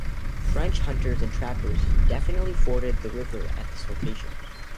French hunters and trappers definitely forded the river at this location.